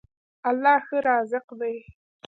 الله ښه رازق دی.